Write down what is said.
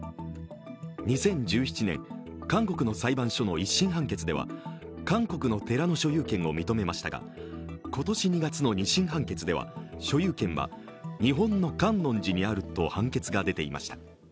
２０１７年、韓国の裁判所の１審判決では韓国の寺の所有権を認めましたが、今年２月の２審判決では所有権は日本の観音寺にあると判決が出ていました。